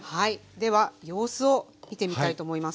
では様子を見てみたいと思います。